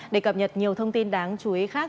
để cập nhật nhiều thông tin đáng chú ý khác